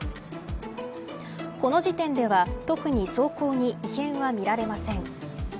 この時点では、特に走行に異変は見られません。